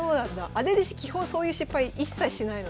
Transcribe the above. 姉弟子基本そういう失敗一切しないので。